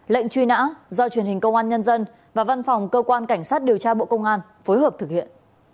lệnh truy nã do truyền hình công an nhân dân và văn phòng cơ quan cảnh sát điều tra bộ công an phối hợp thực hiện